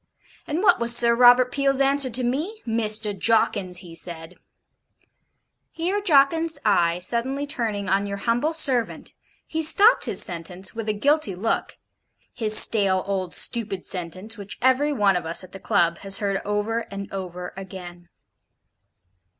And what was Sir Robert Peel's answer to me? "Mr. Jawkins," he said ' Here Jawkins's eye suddenly turning on your humble servant, he stopped his sentence, with a guilty look his stale old stupid sentence, which every one of us at the Club has heard over and over again.